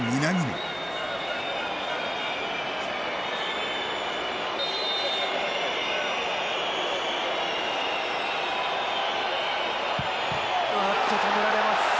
おっと、止められます。